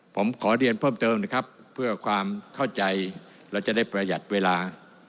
ผมขอเรียนเพิ่มเติมนะครับเพื่อความเข้าใจและจะได้ประหยัดเวลา